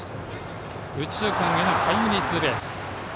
右中間へのタイムリーツーベース。